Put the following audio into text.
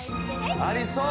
ありそう！